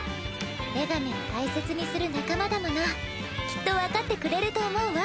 メガネを大切にする仲間だもの。きっとわかってくれると思うわ。